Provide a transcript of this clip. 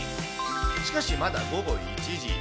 しかし、まだ午後１時。